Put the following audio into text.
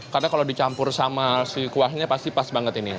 karena kalau dicampur sama si kuahnya pasti pas banget ini